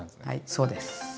はいそうです。